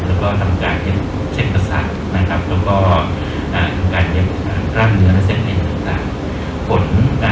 และทำการเช็ดประสานและทำการยำครั่งเนื้อและเช็ดเน็ตต่าง